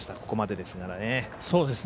ここまでですからね。